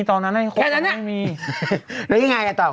ตอนนั้นให้เขาไม่มีแค่นั้นล่ะแล้วยังไงต่อคุณแม่โอ้โฮ